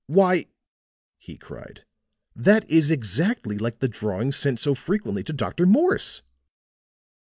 "Why," he cried, "that is exactly like the drawing sent so frequently to Dr. Morse!"